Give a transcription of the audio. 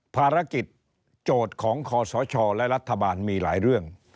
ภารกิจโจทย์ของคอสชและรัฐบาลมีหลายเรื่อง